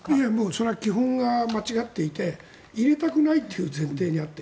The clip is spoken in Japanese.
それは基本が間違っていて入れたくないという前提にあって。